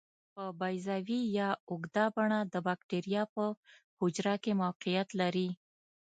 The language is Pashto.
په بیضوي یا اوږده بڼه د باکتریا په حجره کې موقعیت لري.